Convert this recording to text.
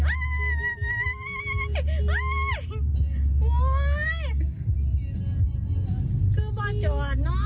รถห่างกับว่าแม่นหรอ